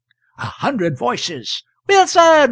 A Hundred Voices. "Wilson!